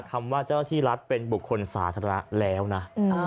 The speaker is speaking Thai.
คำว่าเจ้าหน้าที่รัฐเป็นบุคคลสาธารณะแล้วนะ